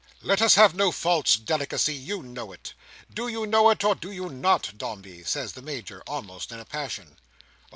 Let us have no false delicacy. You know it. Do you know it, or do you not, Dombey?" says the Major, almost in a passion.